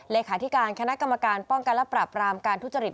เลขาธิการคณะกรรมการป้องกันและปรับรามการทุจริต